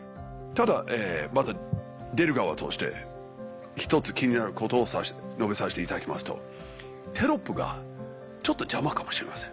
ただまた出る側として１つ気になることを述べさせていただきますとテロップがちょっと邪魔かもしれません。